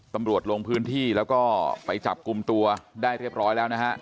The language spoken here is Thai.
ตำรวจลงพื้นที่แล้วก็ไปจับกลุ่มตัวได้เรียบร้อยแล้วนะฮะ